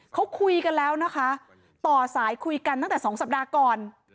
เขาคุยกันแล้วนะคะต่อสายคุยกันตั้งแต่๒สัปดาห์ก่อน